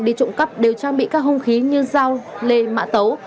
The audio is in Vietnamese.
địa trộm cắt đều trang bị các hông khí như dao lê mạ tấu